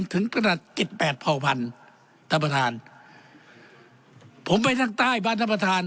ถึงตระหนักกิจแปดเผาพันธุ์ท่านประธานผมไปทางใต้บ้านท่านประธาน